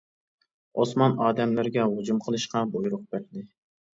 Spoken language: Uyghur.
ئوسمان ئادەملىرىگە ھۇجۇم قىلىشقا بۇيرۇق بەردى.